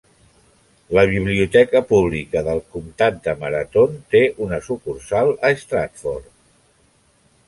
La biblioteca pública del comtat de Marathon té una sucursal a Stratford.